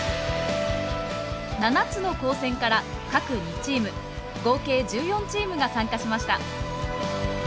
７つの高専から各２チーム合計１４チームが参加しました。